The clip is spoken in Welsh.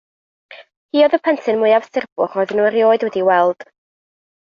Hi oedd y plentyn mwyaf surbwch roedden nhw erioed wedi'i weld.